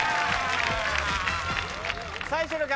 最初の壁